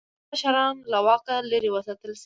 خراب مشران له واکه لرې وساتل شي.